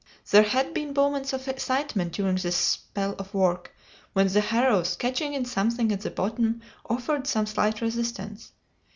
There had been moments of excitement during this spell of work, when the harrows, catching in something at the bottom, offered some slight resistance.